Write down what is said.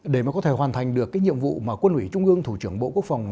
để mà có thể hoàn thành được cái nhiệm vụ mà quân ủy trung ương thủ trưởng bộ quốc phòng